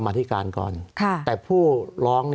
สวัสดีครับทุกคน